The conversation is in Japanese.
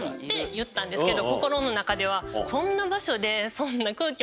だったんですけど。